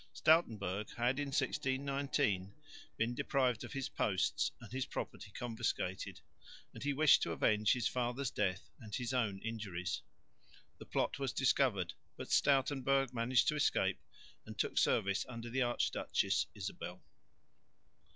Stoutenberg had, in 1619, been deprived of his posts and his property confiscated, and he wished to avenge his father's death and his own injuries. The plot was discovered, but Stoutenberg managed to escape and took service under the Archduchess Isabel.